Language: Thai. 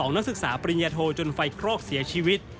นักศึกษาปริญญาโทจนไฟคลอกเสียชีวิต